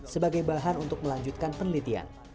sebagai bahan untuk melanjutkan penelitian